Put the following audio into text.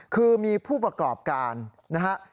คือมีผู้ประกอบการนะฮะ